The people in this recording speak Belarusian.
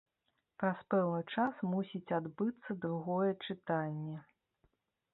Праз пэўны час мусіць адбыцца другое чытанне.